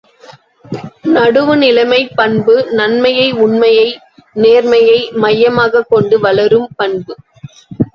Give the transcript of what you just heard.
நடுவு நிலைமைப் பண்பு நன்மையை, உண்மையை, நேர்மையை மையமாகக்கொண்டு வளரும் பண்பு.